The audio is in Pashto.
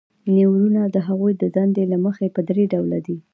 نیورونونه د هغوی د دندې له مخې په درې ډوله دي.